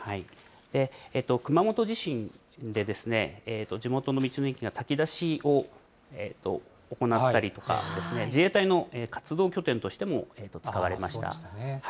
熊本地震で地元の道の駅が炊き出しを行ったりとかですね、自衛隊の活動拠点としても使われました。